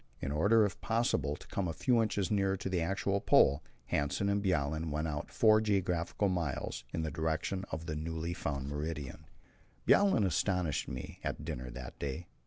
In order if possible to come a few inches nearer to the actual Pole, Hanssen and Bjaaland went out four geographical miles (seven kilometres) in the direction of the newly found meridian. Bjaaland astonished me at dinner that day.